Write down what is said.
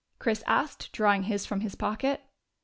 Chris asked, drawing his from his pocket.